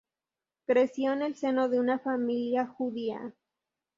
Creció en el seno de una familia judía.